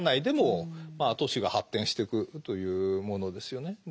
でも都市が発展してくというものですよね。